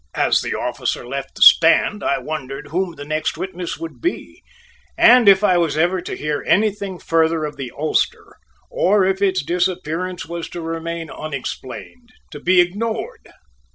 As the officer left the stand, I wondered whom the next witness would be, and if I was ever to hear anything further of the ulster or if its disappearance was to remain unexplained, to be ignored!